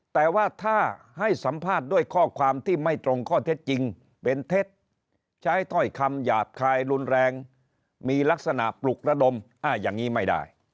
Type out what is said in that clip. แต่ว่าถ้าให้สัมภาษณ์ด้วยข้อความที่ไม่ตรงข้อเท็จจริงเป็นเท็จใช้ถ้อยคำหยาบคายรุนแรงมีลักษณะปลุกระดมอย่างนี้ไม่ได้